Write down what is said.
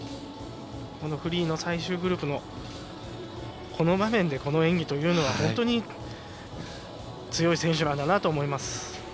フリーの最終グループのこの場面で、この演技というのは本当に強い選手なんだなと思います。